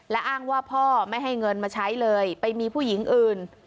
และอ้างว่าพ่อไม่ให้เงินมาใช้เลยไปมีผู้หญิงอื่น